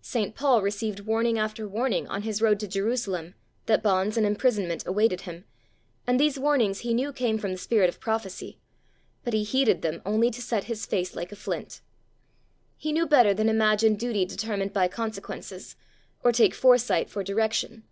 St. Paul received warning after warning on his road to Jerusalem that bonds and imprisonment awaited him, and these warnings he knew came from the spirit of prophecy, but he heeded them only to set his face like a flint. He knew better than imagine duty determined by consequences, or take foresight for direction.